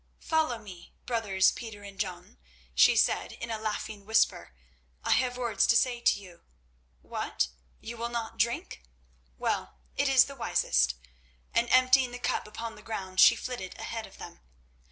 "Follow me, brothers Peter and John," she said in a laughing whisper. "I have words to say to you. What! you will not drink? Well, it is wisest." And emptying the cup upon the ground she flitted ahead of them.